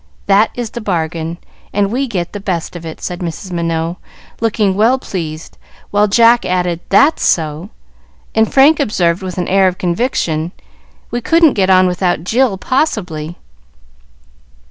That is the bargain, and we get the best of it," said Mrs. Minot, looking well pleased, while Jack added, "That's so!" and Frank observed with an air of conviction, "We couldn't get on without Jill, possibly."